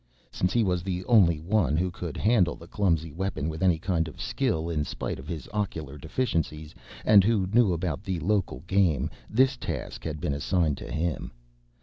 Since he was the only one who could handle the clumsy weapon with any kind of skill in spite of his ocular deficiencies, and who knew about the local game, this task had been assigned to him.